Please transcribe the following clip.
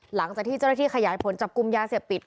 หลังจากที่เจ้าหน้าที่ขยายผลจับกลุ่มยาเสพติด